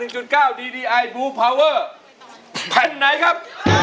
ใช่นะครับ